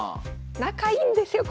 仲いいんですよ